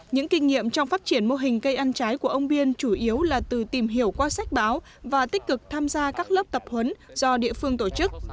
những kinh nghiệm trong phát triển mô hình cây ăn trái của ông biên chủ yếu là từ tìm hiểu qua sách báo và tích cực tham gia các lớp tập huấn do địa phương tổ chức